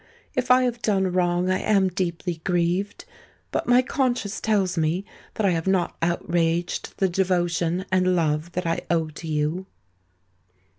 If I have done wrong, I am deeply grieved;—but my conscience tells me that I have not outraged the devotion and love that I owe to you."